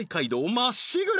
まっしぐら